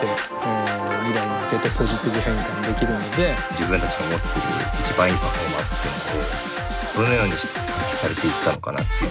自分たちが持ってる一番いいパフォーマンスっていうのをどのようにして発揮されていったのかなっていう。